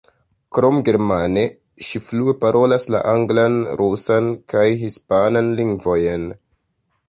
Krom germane, ŝi flue parolas la anglan, rusan kaj hispanan lingvojn.